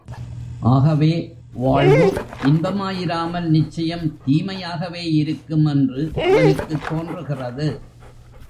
ஆகவே, வாழ்வு இன்பமாயிராமல் நிச்சயம் தீமையாகவேயிருக்கும் என்று அவனுக்குத் தோன்றுகிறது.